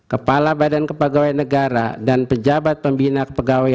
kepala badan kepegawaian negara dan pejabat pembina kepegawaian